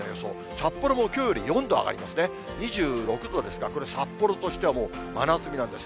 札幌もきょうより４度上がりますね、２６度ですか、これ、札幌としてはもう真夏日なんです。